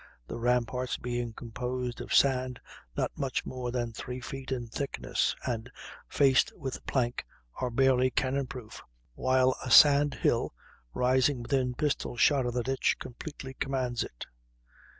The ramparts being composed of sand not more than three feet in thickness, and faced with plank, are barely cannon proof; while a sand hill, rising within pistol shot of the ditch, completely commands it.